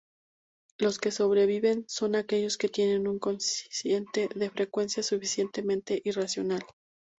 Los que sobreviven son aquellos que tienen un cociente de frecuencias suficientemente irracional.